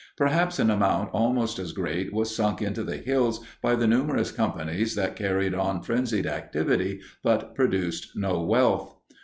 Perhaps an amount almost as great was sunk into the hills by the numerous companies that carried on frenzied activity but produced no wealth.